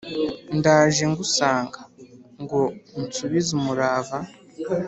ndaje ngusanga, ngo unsubize umurava